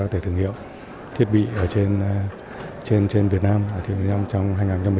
có thể thưởng hiệu thiết bị ở trên việt nam trong năm hai nghìn một mươi chín